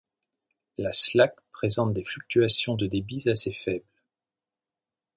La Slack présente des fluctuations de débits assez faibles.